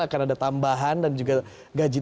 akan ada tambahan dan juga gaji tiga belas